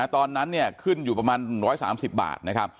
ตอนนั้นขึ้นอยู่ประมาณ๑๓๐บาทนะครับ